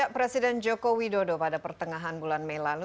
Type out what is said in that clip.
presiden joko widodo pada pertengahan bulan mei lalu